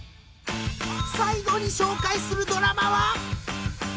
［最後に紹介するドラマは］